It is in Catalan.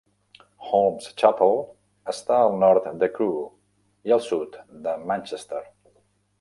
Holmes Chapel està al nord de Crewe i al sud de Manchester.